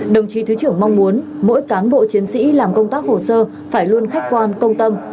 đồng chí thứ trưởng mong muốn mỗi cán bộ chiến sĩ làm công tác hồ sơ phải luôn khách quan công tâm